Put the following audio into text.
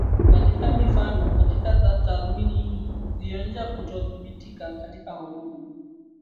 Katika mifanokatika tathmini hii zilionyesha kutodhbitika katika homoni